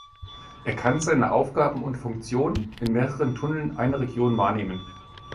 Er kann seine Aufgaben und Funktionen in mehreren Tunneln einer Region wahrnehmen.